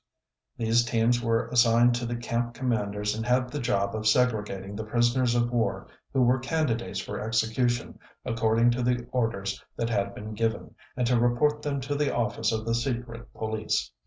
These teams were assigned to the camp commanders and had the job of segregating the prisoners of war who were candidates for execution according to the orders that had been given, and to report them to the office of the Secret Police."